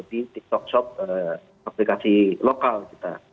di tiktok shop aplikasi lokal kita